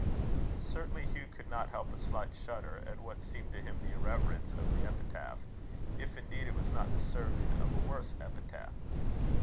'" Certainly Hugh could not help a slight shudder at what seemed to him the irreverence of the epitaph, if indeed it was not deserving of a worse epithet.